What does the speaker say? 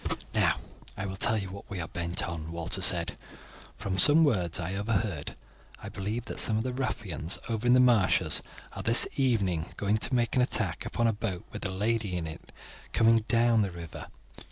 "Now I will tell you what we are bent on," Walter said. "From some words I overheard I believe that some of the ruffians over in the marshes are this evening going to make an attack upon a boat with a lady in it coming down the river.